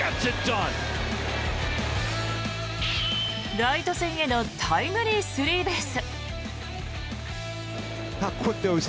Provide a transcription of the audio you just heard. ライト線へのタイムリースリーベース。